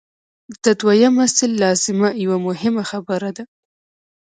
د دویم اصل لازمه یوه مهمه خبره ده.